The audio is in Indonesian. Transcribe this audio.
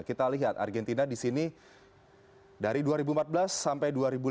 kita lihat argentina di sini dari dua ribu empat belas sampai dua ribu lima belas